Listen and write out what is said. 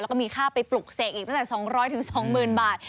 แล้วก็มีค่าไปปลุกเสกอีกตั้งแต่๒๐๐๒๐๐๐บาท